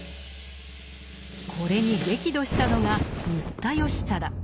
これに激怒したのが新田義貞。